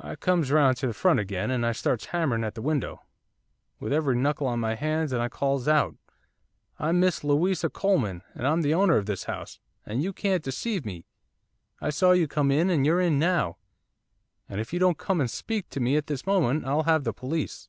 'I comes round to the front again, and I starts hammering at the window, with every knuckle on my hands, and I calls out, "I'm Miss Louisa Coleman, and I'm the owner of this house, and you can't deceive me, I saw you come in, and you're in now, and if you don't come and speak to me this moment I'll have the police."